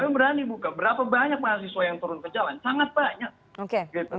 kami berani buka berapa banyak mahasiswa yang turun ke jalan sangat banyak